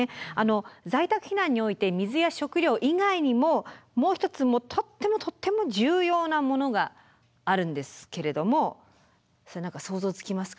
在宅避難において水や食料以外にももう一つとってもとっても重要なものがあるんですけれどもそれ何か想像つきますか？